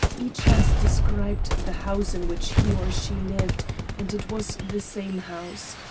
Each has described the house in which he or she lived, and it was the same house.